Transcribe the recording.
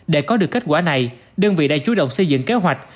để có được kết quả này đơn vị đã chú động xây dựng kế hoạch